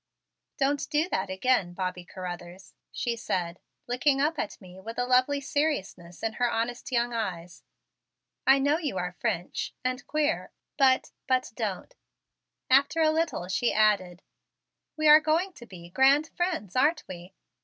"Don't do that again, Bobby Carruthers," she said, looking up at me with a lovely seriousness in her honest young eyes. "I know you are French, and queer, but but don't " After a little she added: "We are going to be grand friends, aren't we?"